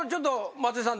松井さん